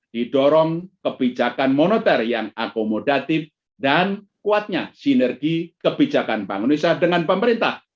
didorong kebijakan moneter yang akomodatif dan kuatnya sinergi kebijakan bank indonesia dengan pemerintah